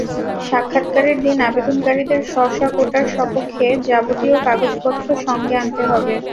সাক্ষাৎকারের দিন আবেদনকারীদের স্ব স্ব কোটার সপক্ষে যাবতীয় কাগজপত্র সঙ্গে আনতে হবে।